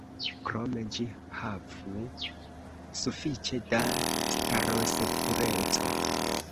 Krome ĝi havu sufiĉe da starosekureco.